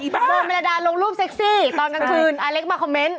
โบมีราดารงลูกเซ็กซี่ตอนกลางกลางคืน